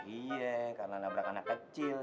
iya karena nabrak anak kecil